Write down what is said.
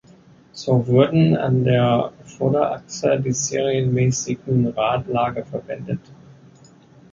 So wurden an der Vorderachse die serienmäßigen Radlager verwendet.